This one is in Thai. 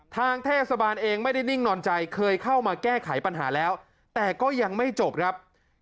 ทางเทศบาลเองไม่ได้นิ่งนอนใจเคยเข้ามาแก้ไขปัญหาแล้วแต่ก็ยังไม่จบครับ